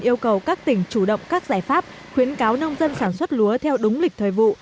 yêu cầu các tỉnh chủ động các giải pháp khuyến cáo nông dân sản xuất lúa theo đúng lịch thời vụ